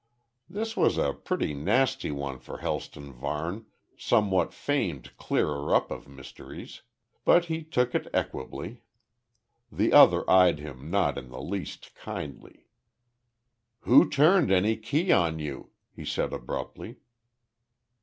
This was a pretty nasty one for Helston Varne, somewhat famed clearer up of mysteries. But he took it equably. The other eyed him not in the least kindly. "Who turned any key on you?" he said abruptly.